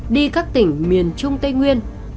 đi các tỉnh miền trung tây nguyên